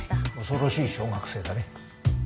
恐ろしい小学生だね。